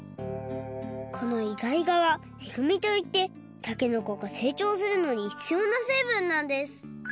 このイガイガはえぐみといってたけのこがせいちょうするのにひつようなせいぶんなんです。